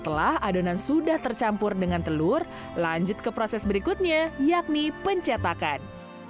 jadi bahwa adonan sudah tercampur dengan telur lanjut ke proses berikutnya yakni pencetakan